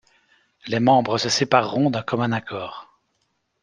Les membres se sépareront d'un commun accord.